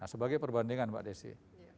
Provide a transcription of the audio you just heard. sebagai perbandingan mbak desi